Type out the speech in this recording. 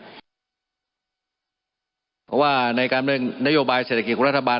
เพราะว่าในการบริเวณนโยบายเศรษฐกิจของรัฐบาล